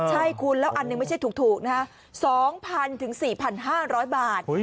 ใช่คุณแล้วอันหนึ่งไม่ใช่ถูกนะฮะ๒๐๐๔๕๐๐บาท